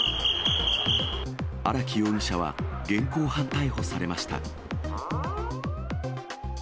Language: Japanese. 荒木容疑者は現行犯逮捕されました。